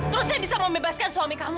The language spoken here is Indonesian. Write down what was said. terus saya bisa membebaskan suami kamu